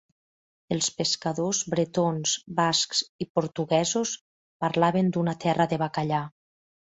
Els pescadors bretons, bascs i portuguesos parlaven d'una "terra de bacallà".